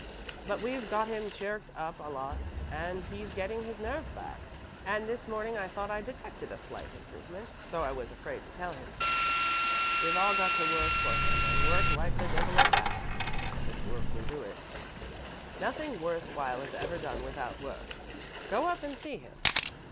But we've got him chirked up a lot, and he's getting his nerve back, and this morning I thought I detected a slight improvement, though I was afraid to tell him so. We've all got to work for him and work like the devil at that." "If work will do it " "Nothing worth while is ever done without work. Go up and see him."